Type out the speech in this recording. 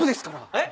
えっ？